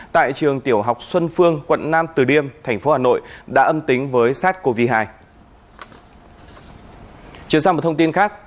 tại trường tiểu học xuân phương quận năm từ điêm tp hà nội đã âm tính với sars cov hai